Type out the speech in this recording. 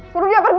suruh dia pergi